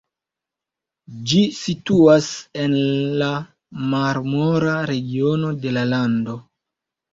Ĝi situas en la Marmora regiono de la lando.